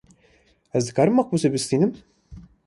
Ez dikarim makbûzê bistînim?